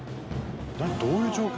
「どういう状況？